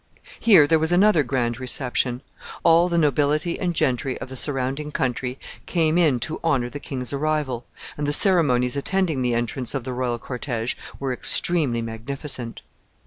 Here there was another grand reception. All the nobility and gentry of the surrounding country came in to honor the king's arrival, and the ceremonies attending the entrance of the royal cortége were extremely magnificent.